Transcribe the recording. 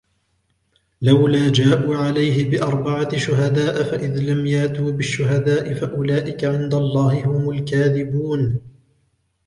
لَوْلَا جَاءُوا عَلَيْهِ بِأَرْبَعَةِ شُهَدَاءَ فَإِذْ لَمْ يَأْتُوا بِالشُّهَدَاءِ فَأُولَئِكَ عِنْدَ اللَّهِ هُمُ الْكَاذِبُونَ